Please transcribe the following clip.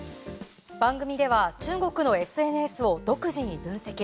番組では中国のＳＮＳを独自に分析。